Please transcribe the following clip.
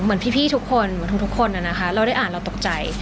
เหมือนพี่ทุกคนนะนะคะเราได้อ่านแล้วตกใจ